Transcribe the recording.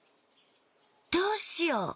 どうしよう！